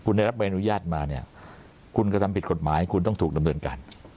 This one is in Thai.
คุณได้รับใบอนุญาตมาเนี่ยคุณกระทำผิดกฎหมายคุณต้องถูกดำเนินการ